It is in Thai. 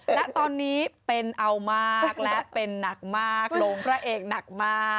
ณตอนนี้เป็นเอามากและเป็นหนักมากหลงพระเอกหนักมาก